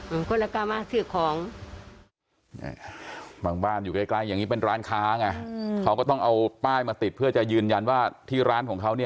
อืมพวกเราก็มาซื้อของบ้านอยู่ใกล้อย่างนี้เป็นร้านค้าง่ะเขาก็ต้องเอาป้ายมาติดเพื่อจะยืนยันว่าที่ร้าน